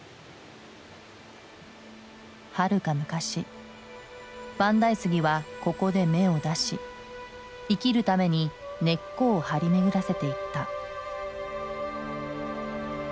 はるか昔万代杉はここで芽を出し生きるために根っこを張り巡らせていった。